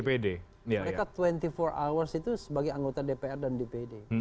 mereka dua puluh empat hours itu sebagai anggota dpr dan dpd